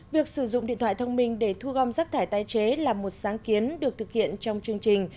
việc sử dụng điện thoại thông minh để thu gom rác thải tái chế là một sáng kiến được thực hiện trong chương trình